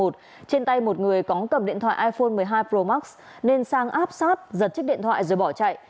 trên tay một người có cầm điện thoại iphone một mươi hai pro max nên sang áp sát giật chiếc điện thoại rồi bỏ chạy